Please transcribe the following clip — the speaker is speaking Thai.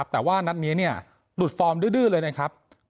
แต่ว่านัดนี้หลุดฟอร์มดื้อเลยนะครับ